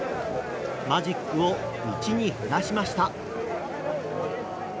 マジックを１に減らしました。